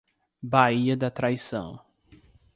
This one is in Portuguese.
Baía da Traição